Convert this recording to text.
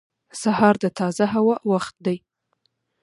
• سهار د تازه هوا وخت دی.